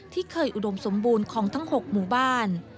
ที่เคยอุดมสมบูรณ์ของทั้ง๖หมู่บ้าน